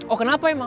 oh kenapa emang